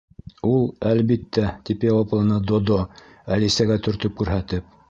—Ул, әлбиттә, —тип яуапланы Додо, Әлисәгә төртөп күрһәтеп.